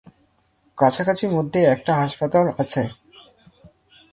কাছাকাছির মধ্যে একটা হাসপাতাল আছে।